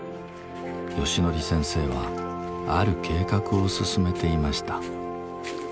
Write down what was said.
ヨシノリ先生はある計画を進めていました。